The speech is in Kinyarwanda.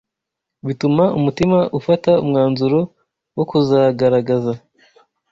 bituma umutima ufata umwanzuro wo kuzagaragaza